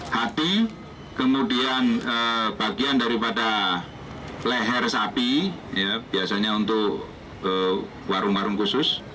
hati kemudian bagian daripada leher sapi biasanya untuk warung warung khusus